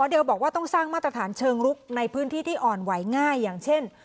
เดลบอกว่าต้องสร้างมาตรฐานเชิงลุกในพื้นที่ที่อ่อนไหวง่ายอย่างเช่น